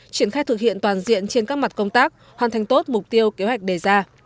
triển khai thực hiện toàn diện trên các mặt công tác hoàn thành tốt mục tiêu kế hoạch đề ra